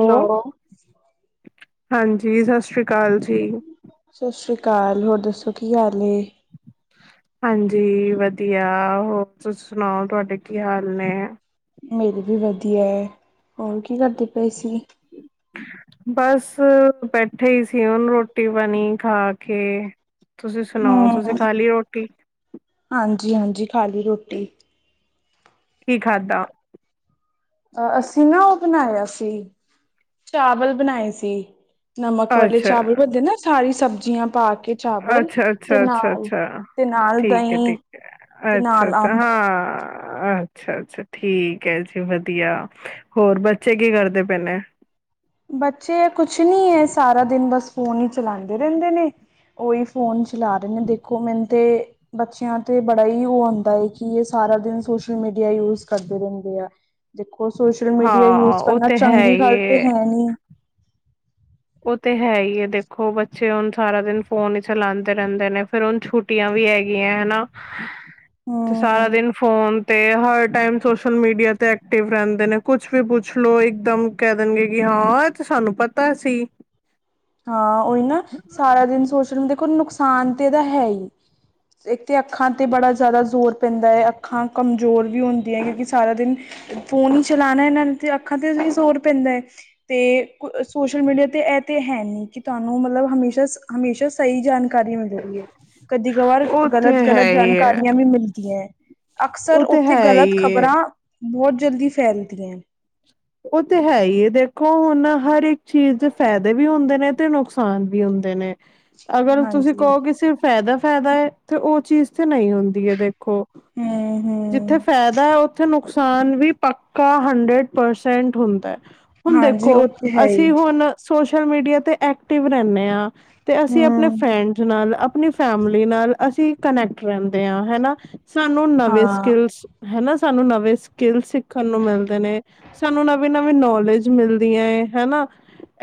Hello, hello ਹਾਂਜੀ ਸਤਿ ਸ਼੍ਰੀ ਅਕਾਲ ਜੀ। ਸਤਿ ਸ਼੍ਰੀ ਅਕਾਲ ਹੋਰ ਦੱਸੋ ਕੀ ਹਾਲ ਏ। ਹਾਂਜੀ ਵਧੀਆ ਹੋਰ ਤੁਸੀ ਸੁਣਾਓ ਤੁਹਾਡੇ ਕੀ ਹਾਲ ਨੇ। ਮੇਰੀ ਵੀ ਵਧੀਆ ਹੈ ਹੋਰ ਕੀ ਕਰਦੀ ਪਈ ਸੀ। ਬਸ ਬੈਠੇ ਹੀ ਸੀ ਉਹਨੂੰ ਰੋਟੀ ਬਣੀ ਖਾ ਕੇ। ਤੁਸੀਂ ਸੁਣਾਓ ਤੁਸੀਂ ਖਾ ਲਈ ਰੋਟੀ। ਹਾਂਜੀ-ਹਾਂਜੀ ਖਾਲੀ ਰੋਟੀ। ਕੀ ਖਾਧਾ। ਅ ਅਸੀਂ ਨਾ ਉਹ ਬਣਾਇਆ ਸੀ ਚਾਵਲ ਬਣਾਏ ਸੀ। ਨਮਕ ਵਾਲੇ ਅੱਛਾ, ਚਾਵਲ ਬਣਦੇ ਨਾ ਸਾਰੀ ਸਬਜ਼ੀਆਂ ਪਾ ਕੇ। ਚਾਵਲ ਅੱਛਾ, ਤੇ ਅੱਛਾ, ਅੱਛਾ, ਨਾਲ ਤੇ ਨਾਲ ਦਹੀਂ। ਤੇ ਨਾਲ ਅੱਛਾ-ਅੱਛਾ ਅੰਬ ਹਾਂ। ਅੱਛਾ-ਅੱਛਾ ਠੀਕ ਹੈ ਜੀ ਵਧੀਆ ਹੋਰ ਬੱਚੇ ਕੀ ਕਰਦੇ ਪਏ ਨੇ। ਬੱਚੇ ਆ ਕੁਛ ਨੀ ਹੈ ਸਾਰਾ ਦਿਨ ਬਸ ਫੋਨ ਹੀ ਚਲਾਉਂਦੇ ਰਹਿੰਦੇ ਨੇ ਉਹੀ ਫੋਨ ਚ। ਚਲਾ ਰਹੇ ਨੇ ਦੇਖੋ ਮੈਨੂੰ ਤੇ। ਬੱਚਿਆਂ ਤੇ ਬੜਾ ਹੀ ਉਹ ਆਉਦਾ ਹੈ ਕਿ ਇਹ ਸਾਰਾ ਦਿਨ ਸੋਸ਼ਲ ਮੀਡੀਆ ਯੂਜ। ਕਰਦੇ ਰਹਿੰਦੇ ਆ ਦੇਖੋ ਸੋਸ਼ਲ ਮੀਡੀਆ ਹਾਂ ਯੂਜ ਉਹ ਕਰਨਾ ਤੇ ਹੈ ਚੰਗੀ ਹੀ ਗੱਲ ਤੇ ਏ ਹੈ ਨੀ। ਉਹ ਤੇ ਹੈ ਹੀ ਦੇਖੋ ਬੱਚੇ ਹੁਣ ਸਾਰਾ ਦਿਨ ਫੋਨ ਹੀ ਚਲਾਉਂਦੇ ਰਹਿੰਦੇ ਨੇ ਫੇਰ ਹੁਣ ਛੁੱ। ਛੁੱਟੀਆਂ ਵੀ ਹੈਗੀਆਂ ਹਨਾ ਤੇ ਸਾਰਾ ਹਮ ਦਿਨ ਫੋਨ। ਤੇ ਹਰ ਟਾਈਮ ਸੋਸ਼ਲ ਮੀਡੀਆ ਤੇ ਐਕਟਿਵ ਰਹਿੰਦੇ ਨੇ ਕੁਛ ਵੀ ਪੁੱਛ ਲੋੋ ਇਕ ਦਮ। ਕਹਿ ਦੇਣਗੇ ਕਿ ਹਾਂ ਇਹ ਤੇ ਸਾਨੂੰ ਪਤਾ ਸੀ। ਹਾਂ ਉਹੀ ਨਾ ਸਾਰਾ ਦਿਨ ਸੋਸ਼ਲ ਮ ਦੇਖੋ ਨੁਕਸਾਨ ਤਾਂ ਇਹਦਾ ਹੈ ਹੀ। ਇੱਕ ਤਾਂ ਅੱਖਾਂ ਤੇ ਬੜਾ ਜ਼ਿਆਦਾ ਜ਼ੋਰ ਪੈਂਦਾ ਹੈ ਅੱਖਾਂ ਕਮਜ਼ੋਰ ਵੀ ਹੁੰਦੀਆਂ ਕਿਉਂਕਿ ਸਾਰਾ ਦਿਨ। ਫੋਨ ਹੀ ਚਲਾਣਾ ਇਹਨਾਂ ਨੂੰ ਤੇ ਅੱਖਾਂ ਤੇ ਜ਼ੋਰ ਪੈਂਦਾ ਹੈ। ਤੇ ਸੋਸ਼ਲ ਮੀਡੀਆ ਤੇ ਇਹ ਤੇ ਮੌ। ਹੈ ਨਹੀਂੀ ਕਿ ਤੁਹਾਨੂੰ ਮਤਲਬ ਹਮੇਸ਼ਾ, ਹਮੇਸ਼ਾ ਸਹੀ ਜਾਣਕਾਰੀ। ਕਾਰੀ ਮਿਲਹੀ ਹੈ ਕਦੀ ਕਵਾਰ ਉਹ ਤੇ ਗਲਤ ਗਲਤ ਹੈ ਹੀ ਹੈ ਜਾਣਕਾਰੀਆਂ ਵੀ ਮਿਲਦੀਆਂ ਹੈ। ਅਕਸਰ ਉਹ ਤੇ ਉੱਥੇ ਹੈ ਗ਼ਲਤ ਹੀ ਖ਼ਬਰਾਂ ਬਹੁਤ ਜਲਦੀ ਫੈਲਦੀਆਂ। ਉਹ ਤਾਂ ਹੈ ਹੀ ਹੈ ਦੇਖੋ ਹੁਣ ਹਰ ਇੱਕ ਚੀਜ਼ ਦੇ ਫਾਇਦੇ ਵੀ ਹੁੰਦੇ ਨੇ, ਤੇ ਨੁਕਸਾਨ ਵੀ ਹੁੰਦੇ ਨੇ। ਅਗਰ ਤੁਸੀਂ ਹਾਂਜੀ ਕਹੋ ਕਿਸ ਸ ਫਾਇਦਾ, ਫਾਇਦਾ ਹੈ ਤੇ ਉਹ ਚੀਜ਼ ਥੇ ਨਹੀਂ ਹੁੰਦੀ ਹੈ ਦੇਖੋ ਹਮ ਜਿੱਥੇ ਹਮ ਫਾਇਦਾ ਹੈ ਉੱਥੇ ਨੁ ਨੁਕਸਾਨ ਵੀ ਪੱਕਾ ਹੰਡਰਡ ਪਰਸੈਂਟ ਹੁੰਦਾ ਹੈ। ਹੁਣ ਹਾਂਜੀ ਦੇਖੋ ਉਹ ਤੇ ਹੈ ਹੀ ਅਸੀਂ ਹੁਣ ਸੋਸ਼ਲ ਮੀਡੀਆ ਤੇ ਐਕਟਿਵ ਰਹਿੰਦੇ ਹਾਂ ਤੇ ਅਸੀਂ ਆਪਣੇ ਹਮ ਫੈਂਡ ਨਾਲ ਆਪਣੀ ਫੈਮਲੀ ਨਾਲ ਅਸੀਂ ਕਨੈਕਟ ਰਹਿੰਦੇ ਹਾਂ ਹਨਾ ਸਾਨੂੰ ਨਵੇਂ ਹਾਂ ਸਕਲਸ ਹਨਾ ਸਾਨੂੰ ਨਵੇਂ ਸਕਿੱਲ ਸਿੱਖਣ ਨੂੰ ਮਿਲਦੇ ਨੇ ਸਾਨੂੰ ਨਵੀਂ, ਨਵੀਂ ਨੌਲੇਜ ਮਿਲਦੀਆਂ ਹਨਾ।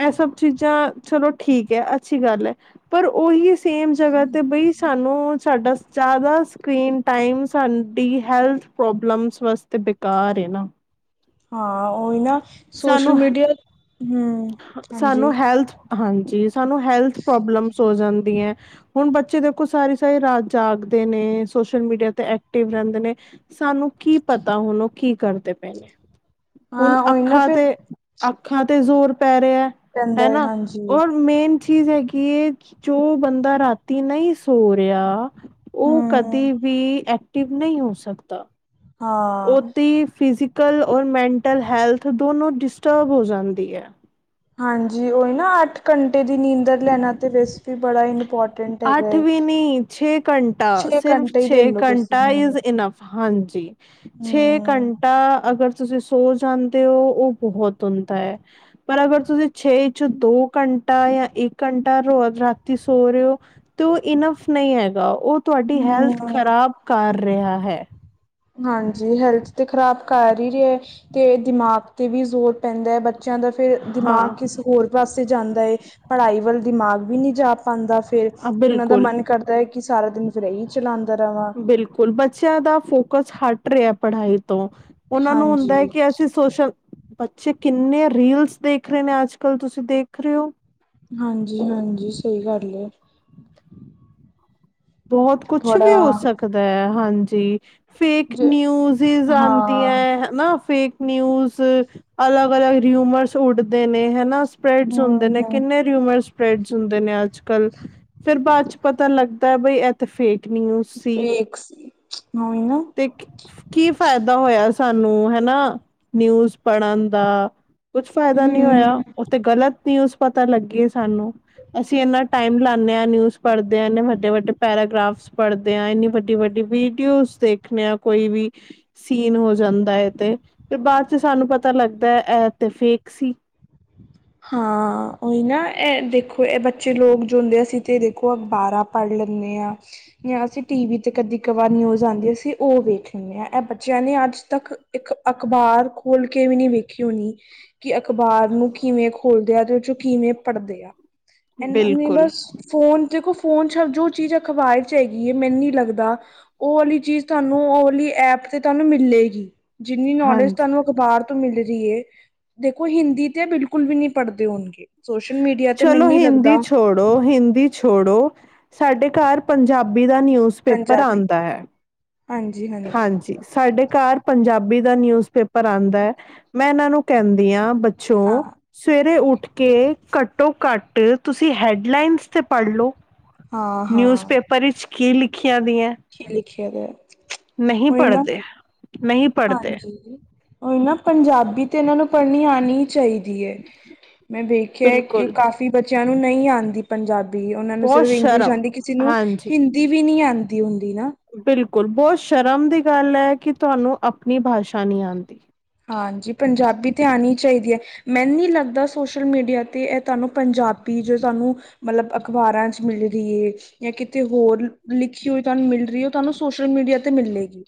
ਇਹ ਸਭ ਚੀਜ਼ਾਂ ਚਲੋ ਠੀਕ ਹੈ ਅੱਛੀ ਗੱਲ ਹੈ ਪਰ ਉਹੀ ਸੇਮ ਜਗ੍ਹਾ ਤੇ ਬਈ। ਸਾਨੂੰ ਸਾਡਾ ਜ਼ਿਆਦਾ ਸਕਰੀਨ ਟਾਈਮ ਸਾਡੀ ਹੈਲਥ ਪ੍ਰੋਬਲਮਸ ਵਾਸਤੇ ਬ। ਘਰ ਹੈ ਨਾ। ਹਾਂ ਉਹਹੀ ਨਾ ਸੋਸ਼ਲ ਸਾਨੂੰ ਮੀਡੀਆ ਹਮ ਸਾਨੂੰ ਹਾਜੀ। ਹੈਲਥ ਹਾਂਜੀ। ਸਾਨੂੰ ਹੈਲਥ ਪ੍ਰੋਬਲਮਸ ਹੋ ਜਾਂਦੀਆਂ। ਹੁਣ ਬੱਚੇ ਦੇਖੋ ਸਾਰੀ ਸਾਰੀ ਰਾਤ ਜਾਗਦੇ ਨੇ। ਸੋਸ਼ਲ ਮੀਡੀਆ ਤੇ ਐਕਟਿਵ ਰਹਿੰਦੇ ਨੇ। ਸਾਨੂੰ ਕੀ ਪਤਾ। ਹੁਣ ਉਹ ਕੀ ਕਰਦੇ ਪਏ ਨੇ। ਹੁਣ ਹਾਂ। ਉਹੀ ਨਾ ਅੱਖਾਂ ਫਿਰ ਤੇ ਅੱਖਾਂ ਤੇ ਜ਼ੋਰ ਪੈ ਰਿ--ਹਾ ਪੈਂਦਾ ਹੈ ਹਨਾ ਹਾਂਜੀ ਰ ਮੇਨ ਚੀਜ਼ ਹੈਗੀ ਜੋ ਬੰਦਾ ਰਾਤੀ ਨਹੀਂ ਸੋ ਰਿਹਾ। ਉਹ ਹਮ ਕਦੇ ਵੀ ਐਕਟਿਵ ਨਹੀਂ ਹੋ ਸਕਦਾ ਹਾਂ ਓਦੀ ਫਿਜ਼ਕਲ ਔਰ ਮੈਂਟਲ ਹੈਲਥ ਦੋਨੋ ਡਿਸਟਰਬ ਹੋ ਜਾਂਦੀ ਹੈ। ਹਾਂਜੀ ਹੀ ਨਾ ਅੱਠ ਘੰਟੇ ਦੀ ਨੀਂਦਰ ਲੈਣਾ ਤੇ ਵੈਸ ਵੀ ਬੜਾ ਹੀ ਇੰਪੋਰਟ ਅੱਠ ਵੀ ਨੀ ਛੇ ਘੰਟਾ ਛੇ ਸਿਰਫ ਘੰਟੇ ਹੀ ਛੇ ਲੈ ਲਓ ਤੁਸੀਂ ਘੰਟਾ ਹਮ ਇਜ਼ ਇਨਫ ਹਾਂਜੀ ਛੇ ਹਮ ਘੰਟਾ ਅਗਰ ਤੁਸੀਂ ਸੋ ਜਾਂਦੇ ਹੋ ਉਹ ਬਹੁਤ ਹੁੰਦਾ ਹੈ ਪਰ ਅਗਰ ਤੁਸੀਂ ਛੇ ਚ ਦੋ ਘੰਟਾ ਜਾਂ ਇੱਕ ਘੰਟਾ ਰੋ ਰਾਤੀ ਸੋ ਰਹੇ ਹੋ ਤੇ ਉਹ ਇਨਫ ਨਹੀਂ ਹੈਗਾ। ਉਹ ਤੁਹਾਡੀ ਹੈਲਥ ਹਮ ਖ਼ਰਾਬ ਕਰ ਰਿਹਾ ਹੈ ਹਾਂਜੀ ਹੈਲਥ ਤੇ ਖ਼ਰਾਬ ਕਰ ਹੀ ਰਿਹਾ ਤੇ ਦਿਮਾਗ ਤੇ ਵੀ ਜ਼ੋਰ ਪੈਂਦਾ ਹੈ ਬ ਬੱਚਿਆਂ ਦਾ ਫੇਿਰ ਹਾਂ ਦਿਮਾਗ ਕਿਸੇ ਹੋਰ ਪਾਸੇ ਜਾਂਦਾ ਹੈ ਪੜ੍ਹਾਈ ਵੱਲ ਦਿਮਾਗ ਵੀ ਨਹੀਂੀ ਜਾ ਪਾਉਂਦਾ। ਫੇਿਰ ਅ ਕਿ ਉਹਨਾਂ ਦਾ ਬਿਲਕੁਲ ਮਨ ਕਰਦਾ ਹੈ ਕਿ ਸਾਰਾ ਦਿਨ ਫੇਿਰ ਇਹੀ ਚਲਾਉਂਦਾ ਰਵਾਂ। ਬਿਲਕੁਲ ਬੱਚਿਆਂ ਦਾ ਫੋਕਸ ਹਟ ਰਿਹਾ ਪੜ੍ਹਾਈ ਤੋਂ। ਉਹਨਾਂ ਨੂੰ ਹੁੰਦਾ ਹੈ ਹਾਂਜੀ ਕਿ ਅਸੀਂ ਸੋਸ਼ਲ ਬੱਚੇ ਕਿੰਨੇ ਰੀਲਸ ਦੇਖ ਰਹੇ ਨੇ ਅੱਜ ਕੱਲ੍ਹ ਤੁਸੀਂ ਦੇਖ ਰਹੇ ਹੋ। ਹਾਂਜੀ, ਹਾਂਜੀ। ਸਹੀ ਗੱਲ। ਬਹੁਤ ਕੁਛ ਵੀ ਹੋ ਥੋੜਾ ਸਕਦਾ ਹੈ ਹਾਂਜੀ। ਫੇਕ ਜ ਨਿਊਜ ਹਾਂ ਆਉਂਦੀਆਂ ਹਨਾ ਫੇਕ ਨਿਊਜ਼ ਅਲੱਗ ਅਲੱਗ ਰਿਊਮਰਸ ਉੱਡਦੇ ਨੇ ਹਨਾ ਸਪ੍ਰੈਡਸ ਹੁੰਦੇ ਹਮ ਨੇ ਹਮ ਕਿੰਨੇ ਰ ਸਪ੍ਰਡ ਹੁੰਦੇ ਨੇ ਅੱਜ, ਕੱਲ ਫਿਰ ਬਾਅਦ ਚ ਪਤਾ ਲੱਗਦਾ ਬਈ ਫੇਕ ਨਿਊਜ਼ ਸੀ ਫੇਕ ਸੀ ਹ ਨਾ ਕੀ ਫਾਇਦਾ ਹੋਇਆ ਸਾਨੂੰ ਹਨਾ ਨਿਊਜ਼ ਪੜ੍ਹਨ ਦਾ ਕੁਛ ਫਾਇਦਾ ਨੀ ਹੋਇਆ ਹਮ ਉੱਥੇ ਗ਼ਲਤ ਨਿਊਜ਼ ਪਤਾ ਲੱਗੇ ਸਾਨੂੰ ਅਸੀਂ ਇੰਨਾ ਟਾਈਮ ਲਾਦੇ ਹਾਂ ਨਿਊਜ਼ ਪੜ੍ਹਦੇ ਆੰਨੇ ਵੱਡੇ, ਵੱਡੇ ਪੈਰਾਗ੍ਰਾਫਸ ਪੜ੍ਹਦੇ ਆ ਇੰਨੀ ਵੱਡੀ ਵਡੀ ਵੀਡੀਓ ਦੇਖ। ਮੈਂ ਕੋਈ ਵੀ ਸੀਨ ਹੋ ਜਾਂਦਾ ਏ ਤੇ ਫੇਰ ਬਾਅਦ ਚ ਸਾਨੂੰ ਪਤਾ ਲੱਗਦਾ ਐ ਇਹ ਤੇ ਫੇਕ ਸੀ। ਹਾਂ, ਉਹੀ ਨਾ ਇਹ ਦੇਖੋ ਇਹ ਬੱਚੇ ਲੋਕ ਜੋ ਹੁੰਦੇ, ਅਸੀਂ ਤੇ ਦੇਖੋ ਅਖਬਾਰਾਂ ਪੜ੍ਹ ਲੈਂਦੇ ਆ। ਜਾਂ ਅਸੀਂ ਟੀ ਵੀ ਤੇ ਕਦੀ ਕਵਾਰ ਨਿਊਜ਼ ਆਂਦੀ ਅਸੀਂ ਉਹ ਵੇਖ ਲੈਂਦੇ ਆ, ਇਹ ਬੱਚਿਆਂ ਨੇ ਅੱਜ ਤੱਕ ਇੱਕ ਅਖ਼ਬਾਰ ਖੋਲ ਕੇ ਵੀ ਨੀ ਵੇਖੀ ਹੋਣੀ। ਕਿ ਅਖ਼ਬਾਰ ਨੂੰ ਕਿਵੇਂ ਖੋਲਦੇ ਆ ਤੇ ਉਹਦੇ ਚੋਂ ਕਿਵੇਂ ਪੜ੍ਹਦੇ ਆ, ਇਹਨਾਂ ਨੇ ਬਿਲਕੁਲ ਬਸ ਫੋਨ ਦੇਖੋ ਫੋਨ ਚ ਜੋ ਚੀਜ਼ ਅਖ਼ਬਾਰ ਚ ਹੈਗੀ ਏ ਮੈਨੂੰ ਨੀ ਲੱਗਦਾ ਉਹ ਵਾਲੀ ਚੀਜ਼ ਤੁਹਾਨੂੰ ਉਹ ਵਾਲੀ ਐਪ ਤੇ ਤੁਹਾਨੂੰ ਮਿਲੇਗੀ। ਜਿੰਨੀ ਨੌਲੇਜ ਹਾਂਜੀ ਤੁਹਾਨੂੰ ਅਖ਼ਬਾਰ ਤੋਂ ਮਿਲ ਰਹੀ ਏ, ਦੇਖੋ ਹਿੰਦੀ ਤੇ ਬਿਲਕੁਲ ਬਿਲਕੁਲ ਵੀ ਨੀ ਪੜ੍ਹਦੇ ਹੋਣਗੇ, ਸੋਸ਼ਲ ਮੀਡੀਆ ਤੇ ਮੈਨੂੰ ਚਲੋ ਨੀ ਹਿੰਦੀ ਲੱਗਦਾ ਛੋੜੋ ਹਿੰਦੀ ਛੋੜੋ, ਸਾਡੇ ਘਰ ਪੰਜਾਬੀ ਦਾ ਨਿਊਜ਼ ਪੇਪਰ ਪੰਜਾਬੀ ਆਂਦਾ ਹੈ। ਹਾਂਜੀ ਹਾ ਹਾਂਜੀ, ਸਾਡੇ ਘਰ ਪੰਜਾਬੀ ਦਾ ਨਿਊਜ਼ ਪੇਪਰ ਆਂਦਾ ਐ। ਮੈਂ ਇਹਨਾਂ ਨੂੰ ਕਹਿੰਦੀ ਆ ਬੱਚੋਂ ਹਾਂ ਸਵੇਰੇ ਉੱਠ ਕੇ ਘੱਟੋ ਘੱਟ ਤੁਸੀਂ ਹੈੱਡਲਾਈਨਜ਼ ਤੇ ਪੜ੍ਹ ਲਓ। ਹਾਂ ਹਾਂ ਨਿਊਜ਼ਪੇਪਰ ਵਿੱਚ ਕੀ ਲਿਖੀਆਂ ਦੀ ਆਂ ਕੀ ਲਿਖਿਆ ਦਾ, ਓਹੀ ਨਾ ਪੜ੍ਹਦੇ ਨਹੀਂ ਪੜ੍ਹਦੇ ਹਾਂਜੀ। ਉਹੀ ਨਾ ਪੰਜਾਬੀ ਤੇ ਇਹਨਾਂ ਨੂੰ ਪੜ੍ਹਨੀ ਆਣੀ ਹੀ ਚਾਹੀਦੀ ਏ, ਮੈਂ ਵੇਖਿਆ ਕਿ ਉਹ ਬਿਲਕੁਲ ਕਾਫੀ ਬੱਚਿਆਂ ਨੂੰ ਨਹੀਂ ਆਂਦੀ ਪੰਜਾਬੀ, ਉਹਨਾਂ ਨੂੰ ਬਹੁਤ ਸਿਰਫ ਇੰਗਲਿਸ਼ ਸ਼ਰਮ ਆਂਦੀ, ਕਿਸੇ ਨੂੰ ਹਾਂਜੀ ਹਿੰ ਹਿੰਦੀ ਵੀ ਨੀ ਆਂਦੀ ਹੁਣੀ ਨਾ। ਬਿਲਕੁਲ ਬਹੁਤ ਸ਼ਰਮ ਦੀ ਗੱਲ ਐ ਕਿ ਤੁਹਾਨੂੰ ਆਪਣੀ ਬਾਸ਼ਾ ਨਹੀਂ ਆਂਦੀ। ਹਾਂਜੀ, ਪੰਜਾਬੀ ਤੇ ਆਣੀ ਹੀ ਚਾਹੀਦੀ ਐ। ਮੈਨੂੰ ਨੀ ਲੱਗਦਾ ਸੋਸ਼ਲ ਮੀਡੀਆ ਤੇ ਇਹ ਤੁਹਾਨੂੰ ਪੰਜਾਬੀ ਜੋ ਤੁਹਾਨੂੰ ਮਤਲਬ ਅਖ਼ਬਾਰਾਂ ਚ ਮਿਲਦੀ ਏ। ਜਾਂ ਕਿਤੇ ਹੋਰ ਲਿਖੀ ਹੋਈ ਤੁਹਾਨੂੰ ਮਿਲ ਰਹੀ ਏ ਉਹ ਤੁਹਾਨੂੰ ਸੋਸ਼ਲ ਮੀਡੀਆ ਤੇ ਮਿਲੇਗੀ।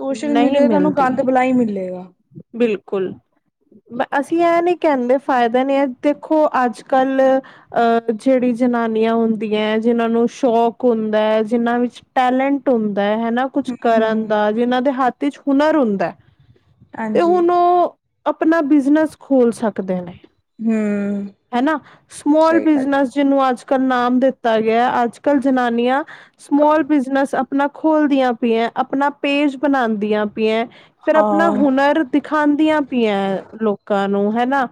ਸੋਸ਼ਲ ਨਹੀਂ ਮੀਡੀਆ ਤੇ ਤੁਹਾਨੂੰ ਮਿਲਦੀ ਗੰਦ ਬੁਲਾ ਈ ਮਿਲੇਗਾ। ਬਿਲਕੁਲ। ਅਸੀਂ ਇਹ ਨੀ ਕਹਿੰਦੇ ਫਾਇਦਾ ਨੀ ਹੈ ਦੇਖੋ ਅੱਜ ਕੱਲ ਅਹ ਜਿਹੜੀ ਜਨਾਨੀਆਂ ਹੁੰਦੀਆਂ, ਜਿੰਨਾਂ ਨੂੰ ਸ਼ੋਕ ਹੁੰਦਾ ਹੈ ਜਿੰਨਾਂ ਵਿੱਚ ਟੈਲੈਂਟ ਹੁੰਦਾ ਹੈ ਹਨਾ ਕੁਛ ਹਮ ਕਰਨ ਹਮ ਦਾ ਜਿਨਾਂ ਦੇ ਹੱਥ ਵਿਚ ਹੁਨਰ ਹੁੰਦਾ। ਤੇ ਹਾਂਜੀ ਹੁਣ ਉਹ ਆਪਣਾ ਬਿਜਨਸ ਖੋਲ ਸਕਦੇ ਨੇ। ਹਮ ਹਨਾ, ਸਮੋਲ ਸਹੀ ਗੱਲ ਹੈ। ਬਿਜਨਸ ਜਿਹਨੂੰ ਅੱਜ ਕੱਲ ਨਾਮ ਦਿੱਤਾ ਗਿਆ, ਅੱਜ ਕੱਲ ਜਨਾਨੀਆਂ ਸਮੋਲ ਬਿਜ਼ਨਸ ਆਪਣਾ ਆਪਣਾ ਖੋਲਦੀਆਂ ਪੀਆਂ ਆਪਣਾ ਪੇਜ ਬਣਾਦੀਆਂ ਪੀਆਂ, ਫਿਰ ਆਪਣਾ ਹਾਂ ਹੁਨਰ ਦਿਖਾਦੀਆਂ ਪੀਆਂ ਲੋਕਾਂ ਨੂੰ ਹਨਾ।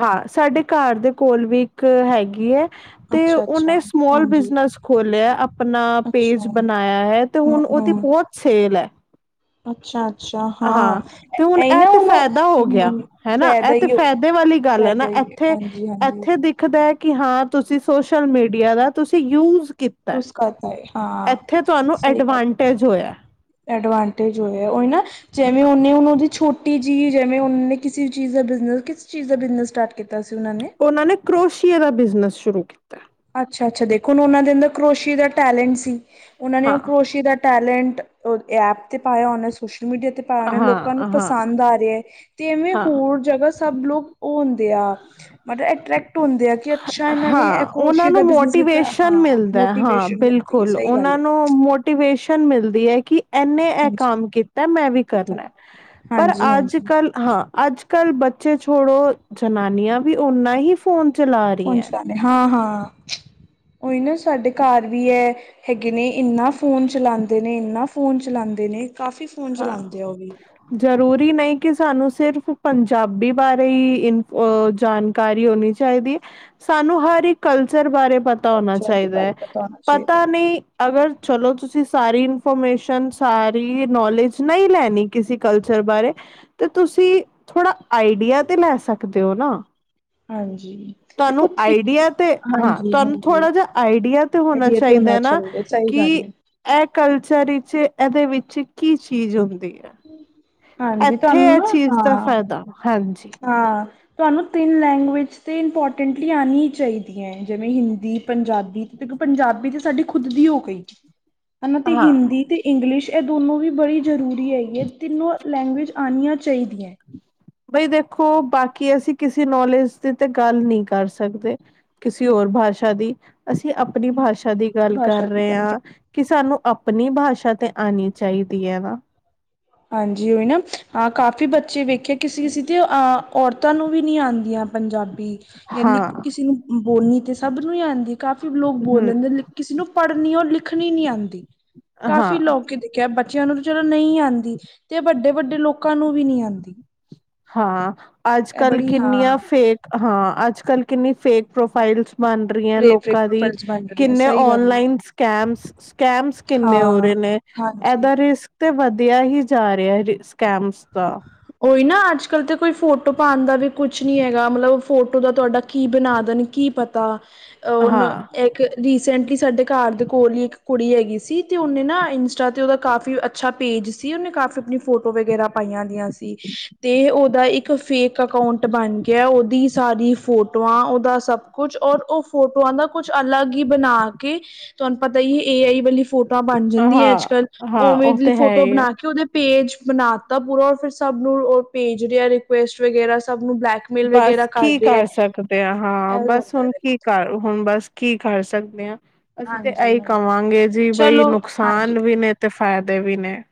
ਹਾਂ, ਸਾਡੇ ਘਰ ਦੇ ਕੋਲ ਵੀ ਇੱਕ ਹੈਗੀ ਹੈ ਤੇ ਅੱਛਾ ਅੱਛਾ ਉਹਨੇ ਸਮੋਲ ਹਾਂਜੀ ਬਿਜਨਸ ਖੋਲਿਆ ਆਪਣਾ ਪੇਜ ਅੱਛਾ ਬਣਾਇਆ ਹੈ। ਤੇ ਹਮ ਹੁਣ ਉਹਦੀ ਹਮ ਬਹੁਤ ਸੇਲ ਹੈ। ਹਾਂ ਤੇ ਹੁਣ ਐ ਇਹ ਨਾ ਤੇ ਉਹਨੂੰ ਫਾਇਦਾ ਹੋ ਗਿਆ, ਹੂੰ ਹਨਾ ਫਾਇਦਾ ਇਹ ਤੇ ਹੀ ਹੋ- ਫਾਇਦੇ ਵਾਲੀ ਗੱਲ ਏ ਨਾ, ਫਾਇਦਾ ਹੀ ਹੈ ਇੱਥੇ ਹਾਂਜੀ ਹਾਂਜੀ ਇੱਥੇ ਦੀ ਦੁੱਖਦਾ ਕਿ ਹਾਂ ਤੁਸੀਂ ਸੋਸ਼ਲ ਮੀਡੀਆ ਦਾ ਤੁਸੀਂ ਯੂਜ ਕੀ ਉਸ ਕਰਤਾ ਹੈ ਹਾਂ ਇੱਥੇ ਤੁਹਾਨੂੰ ਸਹੀ ਗੱਲ ਐਡਵਾਂਟੇਜ ਹੋਇਆ। ਐਡਵਾਂਟੇਜ ਹੋਇਆ, ਉਹੀ ਨਾ ਜਿਵੇਂ ਉਹਨੇ ਹੁਣ ਉਹਦੀ ਛੋ ਛੋਟੀ ਜੀ ਜਿਵੇਂ ਉਹਨਾਂ ਨੇ ਕਿਸੇ ਚੀਜ਼ ਦਾ ਬਿਜ਼ਨਸ, ਕਿਸ ਚੀਜ਼ ਦਾ ਬਿਜਨਸ ਸਟਾਰਟ ਕੀਤਾ ਸੀ ਉਹਨਾਂ ਨੇ? ਉਹਨਾਂ ਨੇ ਕਰੋਸ਼ੀਏ ਦਾ ਬਿਜ਼ਨਸ ਸ਼ੁਰੂ ਕੀਤਾ। ਅੱਛਾ ਅੱਛਾ ਦੇਖੋ ਉਹਨਾਂ ਦੇ ਅੰਦਰ ਕਰੋਸ਼ੀਏ ਦਾ ਟੈਲੈਂਟ ਸੀ। ਉਹਨਾਂ ਨੇ ਉਹ ਹਾਂ ਕਰੋਸ਼ੀਏ ਦਾ ਟੈਲੈਂਟ ਉਹ ਐਪ ਤੇ ਪਾਇਆ, ਉਹਨਾਂ ਸੋਸ਼ਲ ਮੀਡੀਆ ਤੇ ਪਾਇਆ ਹਾਂ ਲੋਕਾਂ ਨੂੰ ਹਾਂ ਪਸੰਦ ਆ ਰਿਹਾ ਏ ਤੇ ਇਵੇਂ ਹਾਂ ਹੋਰ ਜਗ੍ਹਾ ਸਭ ਲੋਕ ਉਹ ਹੁੰਦੇ ਆ ਮਤਲਬ ਅਟਰ੍ਰੈਕਟ ਹੁੰਦੇ ਆ ਕਿ ਅੱਛਾ ਇਹਨਾਂ ਨੇ ਹਾਂ ਉਹਨਾਂ ਕਰੋਸ਼ੀਏ ਦਾ ਨੂੰ ਬਿਜਨਸ ਕੀਤਾ ਮੋਟੀਵੇਸ਼ਨ ਹਾਂ ਮਿਲਦਾ ਹਾਂ ਮੋਟੀਵੇਸ਼ਨ ਮਿਲਦੀ ਹੈ ਬਿਲਕੁਲ ਸਹੀ ਗੱਲ ਉਹਨਾਂ ਹੈ ਨੂੰ ਮੋਟੀਵੇਸ਼ਨ ਮਿਲਦੀ ਹੈ ਕਿ ਇਨੇ ਇਹ ਹਾਂਜੀ ਕੰਮ ਕੀਤਾ ਮੈਂ ਵੀ ਕੀਤਾ ਕਰਨਾ ਪਰ ਅੱਜ ਹਾਂਜੀ-ਹਾਂਜੀ ਕੱਲ ਹਾਂ ਅੱਜ ਕੱਲ ਬੱਚੇ ਛੋੜੋ ਜਨਾਨੀਆਂ ਵੀ ਓਨਾ ਹੀ ਫੋਨ ਚਲਾ ਫੋਨ ਰਹੀਆਂ ਚਲਾਦੇ ਹਾਂ ਹਾਂ ਉਹੀ ਨਾ ਸਾਡੇ ਘਰ ਵੀ ਹੈ। ਹੈਗੇ ਨੇ ਇਨਾ ਫੋਨ ਚਲਾਉਂਦੇ ਨੇ ਇਨਾ ਫੋਨ ਚਲਾਉਂਦੇ ਨੇ ਕਾਫੀ ਫੋਨ ਹਾਂ ਚਲਾਉਂਦੇ ਆ ਉਹ ਵੀ ਜ਼ਰੂਰੀ ਨਹੀਂ ਕਿ ਸਾਨੂੰ ਸਿਰਫ਼ ਪੰਜਾਬੀ ਬਾਰੇ ਹੀ ਇਨ ਜਾਣਕਾਰੀ ਹੋਣੀ ਚਾਹੀਦੀ ਹੈ ਸਾਨੂੰ ਹਰ ਇੱਕ ਕਲਚਰ ਬਾਰੇ ਪਤਾ ਹੋਣਾ ਕਲਚਰ ਦੇ ਚਾਹੀਦਾ ਬਾਰੇ ਹੈ ਪਤਾ ਹੋਣਾ ਚਾਹੀਦਾ ਪਤਾ ਹੈ ਨਹੀਂ ਅਗਰ ਚਲੋ ਤੁਸੀਂ ਸਾਰੀ ਇਨਫੋਰਮੇਸ਼ਨ ਸਾਰੀ ਨੌਲੇਜ ਨਹੀਂ ਲੈਣੀ ਕਿਸੇ ਕਲਚਰ ਬਾਰੇ ਤੇ ਤੁਸੀਂ ਥੋੜ੍ਹਾ ਆਈਡੀਆ ਤੇ ਲੈ ਸਕਦੇ ਹੋ ਨਾ ਹਾਂਜੀ ਦੇਖੋ ਤੁਹਾਨੂੰ ਥ੍ਰੀ ਆਈਡੀਆ ਤੇ ਹਾਂ ਹਾਂਜੀ ਤੁਹਾਨੂੰ ਹਾਂਜੀ ਥੋੜਾ ਜਿਹਾ ਆਈਡੀਆ ਤੇ ਹੋਣਾ ਚਾਹੀਦਾ ਨਾ ਸਹੀ ਕਿ ਗੱਲ ਹੈ। ਇਹ ਕਲਚਰ ਵਿੱਚ ਇਹਦੇ ਵਿੱਚ ਕੀ ਚੀਜ਼ ਹੁੰਦੀ ਹੈ। ਹਾਂਜੀ ਇੱਥੇ ਤੁਹਾਨੂੰ ਇਹ ਨਾ ਚੀਜ਼ ਦਾ ਹਾਂ ਫਾਇਦਾ ਹਾਂਜੀ ਹਾਂ ਤੁਹਾਨੂੰ ਤਿੰਨ ਲੈਂਗੁਏਜ 'ਤੇ ਇੰਪੋਰਟੈਂਟਲੀ ਆਉਣੀ ਹੀ ਚਾਹੀਦੀ ਹੈ। ਜਿਵੇਂ ਹਿੰਦੀ ਪੰਜਾਬੀ ਇੱਕ ਪੰਜਾਬੀ ਤੇ ਸਾਡੀ ਖੁਦ ਦੀ ਹੋ ਗਈ ਹਨਾ ਤੇ ਹਾਂ ਹਿੰਦੀ ਤੇ ਇੰਗਲਿਸ਼ ਇਹ ਦੋਨੋ ਵੀ ਬੜੀ ਜ਼ਰੂਰੀ ਹੈ। ਤਿੰਨੋ ਲੈਗੁਵਏਜ ਆਉਣੀਆਂ ਚਾਹੀਦੀਆਂ ਬਈ ਦੇਖੋ ਬਾਕੀ ਅਸੀਂ ਕਿਸੇ ਨੋਲੇਜ ਦੀ ਤੇ ਗੱਲ ਨਹੀਂ ਕਰ ਸਕਦੇ ਕਿਸੇ ਹੋਰ ਭਾਸ਼ਾ ਦੀ ਅਸੀਂ ਆਪਣੀ ਭਾਸ਼ਾ ਦੀ ਗੱਲ ਕਰ ਭਾਸ਼ਾ ਦੀ ਰਹੇ ਗੱਲ ਹਾਂ। ਕਿ ਸਾਨੂੰ ਆਪਣੀ ਭਾਸ਼ਾ ਤੇ ਆਉਣੀ ਚਾਹੀਦੀ ਹੈ ਨਾ ਹਾਂਜੀ। ਨਾ ਕਾਫੀ ਬੱਚੇ ਵੇਖੇ, ਕਿਸੇ ਕਿਸੇ ਤੇ ਅਹ ਔਰਤਾਂ ਨੂੰ ਵੀ ਨਹੀਂ ਆਉਂਦੀਆਂ। ਪੰਜਾਬੀ ਜਾਂ ਲਿ ਹਾਂ ਕਿਸੇ ਨੂੰ ਬੋਲਣੀ ਤੇ ਸਭ ਨੂੰ ਹੀ ਆਉਂਦੀ ਕਾਫੀ ਲੋਕ ਬੋਲ ਹਮ ਲੈਂਦੇ। ਕਿਸੇ ਨੂੰ ਪੜ੍ਹਨੀ- ਲਿਖਣੀ ਨੀ ਆਉਂਦੀ। ਕਾਫ਼ੀ ਹਾਂ ਲੋਕ ਦੇ ਕ ਬੱਚਿਆਂ ਨੂੰ ਵੀ ਚਲੋ ਨਹੀਂ ਆਉਂਦੀ। ਤੇ ਵੱਡੇ- ਵੱਡੇ ਲੋਕਾਂ ਨੂੰ ਵੀ ਨਹੀਂ ਆਉਂਦੀ। ਹਾਂ। ਅੱਜ ਇਹ ਕੱਲ ਬੜੀ ਹਾਂ ਕਿੰਨੀਆਂ ਫੇਕ ਹਾਂ, ਅੱਜ ਕੱਲ ਕਿੰਨੀ ਫੇਕ ਪ੍ਰੋਫਾਈਲ ਮੰਨ ਰਹੀਆਂ ਫੇਕ ਲੋਕਾਂ ਦੀ। ਪ੍ਰੋਫਾਈਲਸ ਬਣ ਰਹੀ ਹੈ ਕਿੰਨੇ ਸਹੀ ਗੱਲ ਹੈ ਔਨਲਾਈਨ ਸਕਮ, ਸਕੈਮਸ ਕਿੰਨੇ ਹੋ ਹਾਂ ਰਹੇ ਨੇ। ਇਹ ਹਾਂਜੀ ਰ ਤੇ ਵਧਿਆ ਹੀ ਜਾ ਰਿਹਾ ਸਕੈਮਸ ਦਾ। ਉਹੀ ਨਾ ਅੱਜ ਕੱਲ ਤੇ ਕੋਈ ਫੋਟੋ ਪਾਉਣ ਦਾ ਵੀ ਕੁਛ ਨੀ ਹੈਗਾ। ਮਤਲਬ ਫੋਟੋ ਦਾ ਤੁਹਾਡਾ ਕੀ ਬਣਾ ਦੇਣ। ਕੀ ਪਤਾ। ਉਹਨੂੰ ਹਾਂ ਰੀਸੈਂਟਲੀ ਸਾਡੇ ਘਰ ਦੇ ਕੋਲ ਹੀ ਇੱਕ ਕੁੜੀ ਹੈਗੀ ਸੀ। ਤੇ ਉਹਨੇ ਨਾ ਇੰਸਟਾ ਤੇ ਉਹਦਾ ਕਾਫੀ ਅੱਛਾ ਪੇਜ ਸੀ। ਉਹਨੇ ਕਾਫੀ ਆਪਣੀ ਫੋਟੋ ਵਗੈਰਾ ਪਾਈਆਂ ਦੀਆਂ ਸੀ। ਤੇ ਓਦਾ ਇੱਕ ਫੇਕ ਐਕੋਂਟ ਬਣ ਗਿਆ। ਓਦੀ ਸਾਰੀ ਫੋਟੋਆਂ, ਓਹਦਾ ਸਭ ਕੁਛ ਔਰ ਉਹ ਫੋਟੋਆਂ ਦਾ ਕੁਛ ਅਲੱਗ ਹੀ ਬਣਾ ਕੇ, ਤੁਹਾਨੂੰ ਪਤਾ ਹੀ ਏ ਆਈ ਵਾਲੀ ਫੋਟੋਆਂ ਬਣ ਜਾਂਦੀਆਂ ਹੈ ਹਾਂ ਅੱਜ ਕੱਲ੍ਹ। ਹਾਂ ਉਵੇਂ ਉਹ ਲਈ ਤੇ ਹੈ ਫੋਟੋ ਹੀ ਹੈ ਬਣਾ ਕੇ ਉਹਦੇ ਪੇਜ ਬਣਾਤਾ ਪੂਰਾ ਰ ਫਿਰ ਸਭ ਨੂੰ ਪੇਜ ਰਿਹਾ ਰਿਕੁਐਸਟ ਵਗੈਰਾ, ਸਭ ਨੂੰ ਬਲੈਕ ਬਸ ਕੀ ਕਰ ਸਕਦੇ ਹਾਂ। ਹਾਂ ਇਹ ਬਸ ਹੁੰਦਾ ਹੁਣ ਕੀ ਦੇਖੋ ਕਰ। ਹੁਣ ਬਸ ਕੀ ਕਰ ਸਕਦੇ ਹਾਂ। ਅਸੀਂ ਤੇ ਹਾਂਜੀ ਇਹੀ ਹਾਂਜੀ ਕਵਾਂਗੇ ਜੀ ਬਈ, ਚਲੋ ਨੁਕਸਾਨ ਹਾਂਜੀ ਵੀ ਨੇ ਤੇ ਫਾਇਦੇ ਵੀ ਨੇ।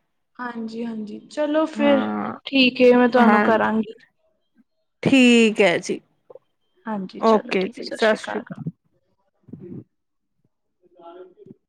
ਹਾਂਜੀ- ਹਾਂਜੀ ਚਲੋ ਫਿਰ ਹਾਂ ਠੀਕ ਹੈ। ਮੈਂ ਤੁਹਾਨੂੰ ਹਾਂ ਕਰਾਂਗੀ। ਠੀਕ ਹੈ ਜੀ। ਹਾਂਜੀ ਚਲੋ ਓਕੇ, ਠੀਕ ਹੈ ਜੀ ਸਤਿ ਸ਼੍ਰੀ ਸ੍ਰੀ ਅਕਾਲ। [unintelligible]